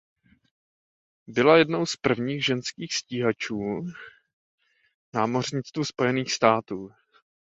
Byla jednou z prvních ženských stíhačů v námořnictvu Spojených států.